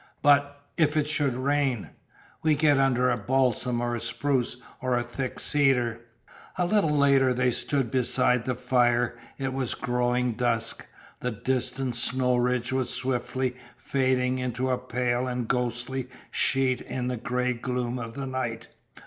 "But if it should rain?" "We get under a balsam or a spruce or a thick cedar." A little later they stood beside the fire. It was growing dusk. The distant snow ridge was swiftly fading into a pale and ghostly sheet in the gray gloom of the night.